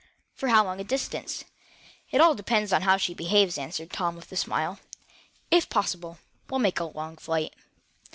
"For how long a distance?" "It all depends on how she behaves," answered Tom, with a smile. "If possible, we'll make a long flight."